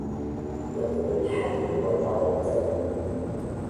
يقول الحبيب وطالبته